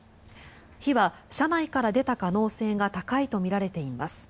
火は車内から出た可能性が高いとみられています。